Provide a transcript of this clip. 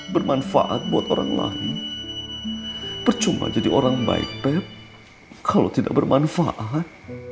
bermanfaat buat orang lain percuma jadi orang baik pep kalau tidak bermanfaat